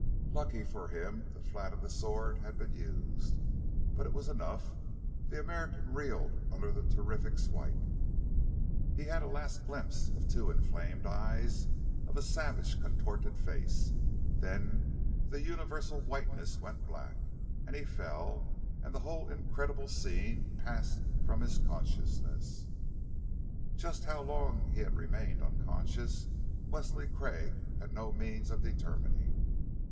Lucky for him, the flat of the sword had been used but it was enough. The American reeled under the terrific swipe. He had a last glimpse of two inflamed eyes, of a savage, contorted face; then the universal whiteness went black, and he fell, and the whole incredible scene passed from his consciousness.... Just how long he had remained unconscious, Wesley Craig had no means of determining.